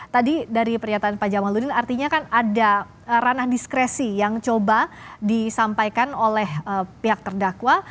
tadi dari pernyataan pak jamaludin artinya kan ada ranah diskresi yang coba disampaikan oleh pihak terdakwa